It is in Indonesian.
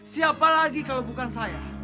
siapa lagi kalau bukan saya